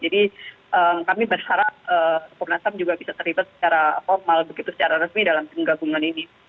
jadi kami berharap komnas ham juga bisa terlibat secara formal begitu secara resmi dalam tim gabungan ini